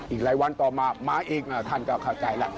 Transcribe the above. อีกหลายวันต่อมามาเองท่านก็เข้าใจแล้ว